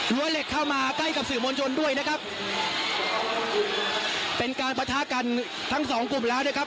เหล็กเข้ามาใกล้กับสื่อมวลชนด้วยนะครับเป็นการประทะกันทั้งสองกลุ่มแล้วนะครับ